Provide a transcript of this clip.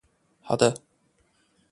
好的